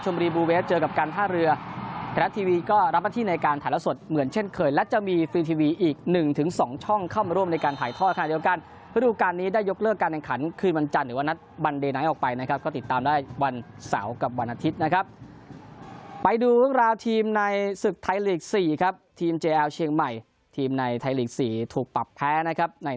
ทีมในไทยหลีก๔ถูกปรับแพ้นะครับในนัดแรกที่จะเปิดซีซั่นวันพรุ่งนี้